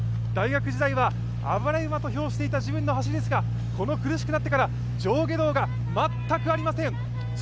大学時代は暴れ馬と評していた自分の走りですが、苦しくなってから上下動が全くありません。